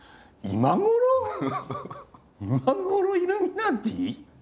今ごろイルミナティ？